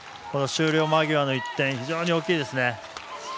この終了間際の１点非常に大きいですね。